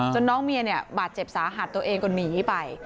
น้องเมียเนี่ยบาดเจ็บสาหัสตัวเองก็หนีไป